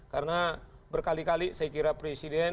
karena berkali kali saya kira presiden